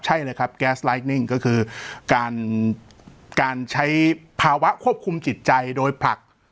ใช่เลยครับก็คือการการใช้ภาวะควบคุมจิตใจโดยผลัก